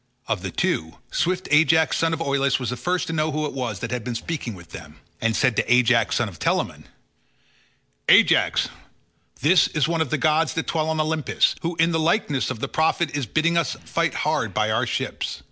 Of the two, swift Ajax son of Oileus was the first to know who it was that had been speaking with them, and said to Ajax son of Telamon, "Ajax, this is one of the gods that dwell on Olympus, who in the likeness of the prophet is bidding us fight hard by our ships.